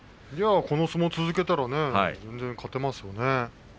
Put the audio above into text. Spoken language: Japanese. この相撲を続けたら勝てますよね。